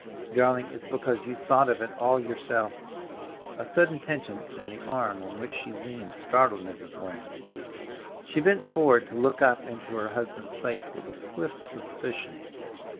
Darling, it's because you thought of it all yourself." A sudden tension in the arm on which she leaned startled Mrs. Waring. She bent forward to look up into her husband's face, with a swift suspicion.